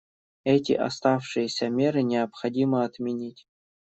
Эти оставшиеся меры необходимо отменить.